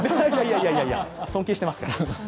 いやいやいや、尊敬してますから。